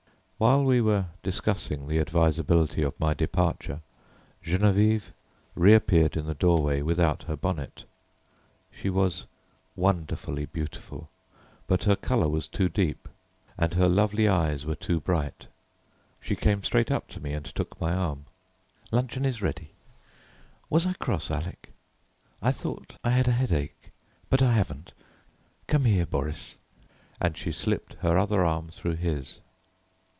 While we were discussing the advisability of my departure Geneviève reappeared in the doorway without her bonnet. She was wonderfully beautiful, but her colour was too deep and her lovely eyes were too bright. She came straight up to me and took my arm. "Luncheon is ready. Was I cross, Alec? I thought I had a headache, but I haven't. Come here, Boris;" and she slipped her other arm through his.